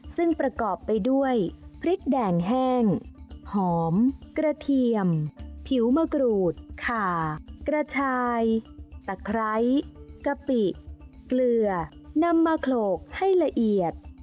ซึ่งประกอบไปด้วยพริกแดงแห้งหอมกระเทียมผิวมะกรูดขากระชายตะไคร้กะปิเกลือนำมาโขลกให้ละเอียด